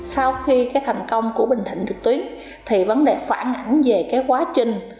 sau khi thành công của bình thạnh trực tuyến vấn đề phản ảnh về quá trình